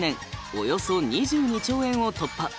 およそ２２兆円を突破。